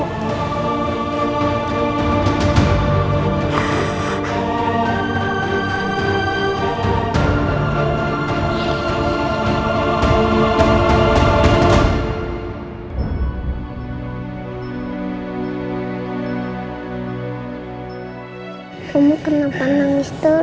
kamu kenapa nangis terus